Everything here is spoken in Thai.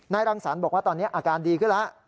รังสรรค์บอกว่าตอนนี้อาการดีขึ้นแล้ว